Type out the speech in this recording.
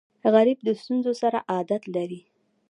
غریب د ستونزو سره عادت لري